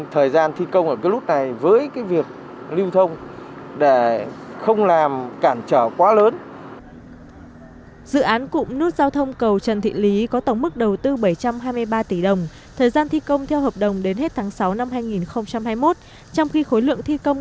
thời gian gia hạn cho phép để hoàn thành dự án đã đến hết tháng một mươi hai năm hai nghìn hai mươi một